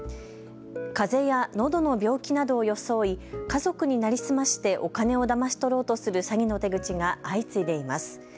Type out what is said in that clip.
かぜやのどの病気などを装い、家族に成り済ましてお金をだまし取ろうとする詐欺の手口が相次いでいます。